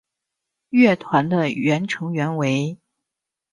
乐团的原成员为。